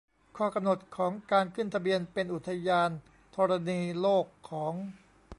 ข้อกำหนดของการขึ้นทะเบียนเป็นอุทยานธรณีโลกของ